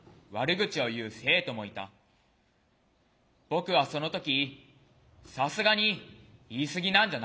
僕はその時「さすがに言い過ぎなんじゃないか」と思った。